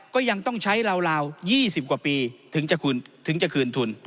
ก็ยังต้องใช้ราว๒๐กว่าปีถึงจะคืนทุน